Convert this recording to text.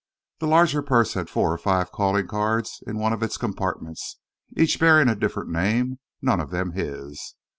The larger purse had four or five calling cards in one of its compartments, each bearing a different name, none of them his.